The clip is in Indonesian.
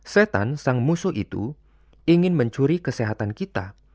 setan sang musuh itu ingin mencuri kesehatan kita